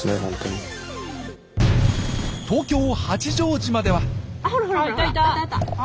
東京八丈島では。